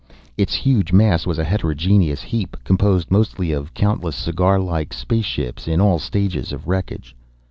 Its huge mass was a heterogeneous heap, composed mostly of countless cigar like space ships in all stages of wreckage.